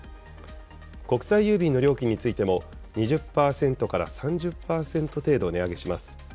国際郵便の料金についても、２０％から３０％程度値上げします。